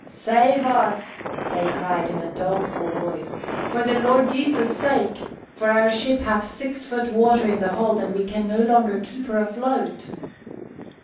"Save us," they cried in a doleful voice, "for the Lord Jesus' sake! For our ship hath six foot water in the hold and we can no longer keep her afloat."